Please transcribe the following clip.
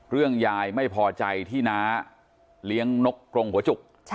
ยายไม่พอใจที่น้าเลี้ยงนกกรงหัวจุก